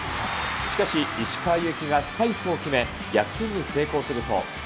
しかし、石川祐希がスパイクを決め、逆転に成功すると。